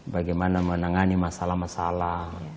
bagaimana menangani masalah masalah